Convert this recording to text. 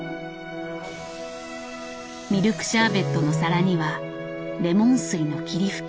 ミルクシャーベットの皿にはレモン水の霧吹き。